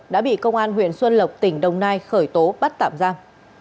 đã bị công an huyện xuân lộc tỉnh đồng nai khởi tố bắt tạm giam